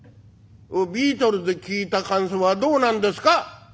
ビートルズ聴いた感想はどうなんですか？」。